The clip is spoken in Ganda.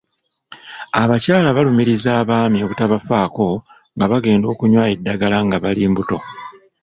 Abakyala baalumiriza abaami obutabafaako nga bagenda okunywa eddagala nga bali mbuto.